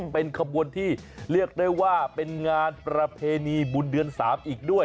เป็นขบวนที่เรียกได้ว่าเป็นงานประเพณีบุญเดือน๓อีกด้วย